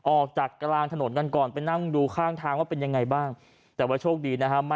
ออกจากกลางถนนกันก่อนไปนั่งดูข้างทางว่าเป็นยังไงบ้างแต่ว่าโชคดีนะฮะ